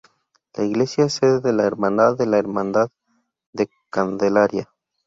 La iglesia es sede de la hermandad de la Hermandad de la Candelaria